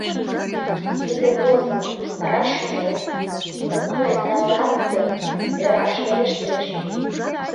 Тиде возымым, раш шонен, умылен налат гын, ӧраш верештеш.